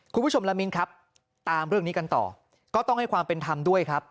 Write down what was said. คุณผู้ชมละมินครับตามเรื่องนี้กันต่อก็ต้องให้ความเป็นธรรมด้วยครับ